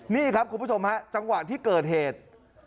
นี่ครับคุณผู้ชมฮะจังหวะที่เกิดเหตุ